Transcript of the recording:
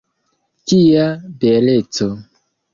Kia beleco!